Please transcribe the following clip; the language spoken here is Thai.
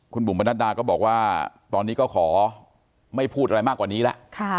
คุณบุ๋มประนัดดาก็บอกว่าตอนนี้ก็ขอไม่พูดอะไรมากกว่านี้แล้ว